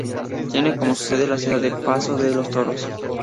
Tiene como sede la ciudad de Paso de los Toros.